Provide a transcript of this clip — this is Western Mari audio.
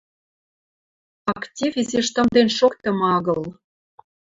Актив изиш тымден шоктымы агыл.